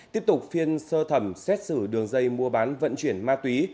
tiếp tục phiên sơ thẩm xét xử đường dây mua bán vận chuyển ma túy